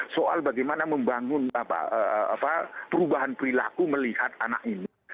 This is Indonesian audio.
soal bagaimana membangun perubahan perilaku melihat anak ini